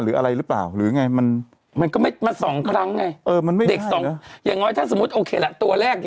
หรืออะไรรึเปล่าหรือไงมันก็ไม่มาสองครั้งไงอย่างน้อยถ้าสมมติโอเคละตัวแรก